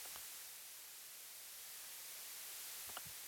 La demanda turística presenta un importante incremento en los últimos años.